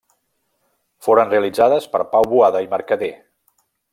Foren realitzades per Pau Boada i Mercader.